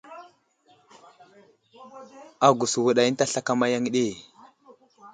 Agùs wùdày ənta slakama yaŋ ɗi.